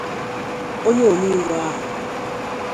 onye omeiwu ahụ